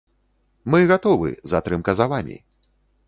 Мы гатовы, затрымка за вамі.